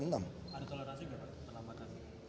ada toleransi berapa